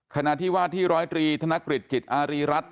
ขณะที่ว่าที่๑๐๓ธนกฤษจิตอารีรัฐ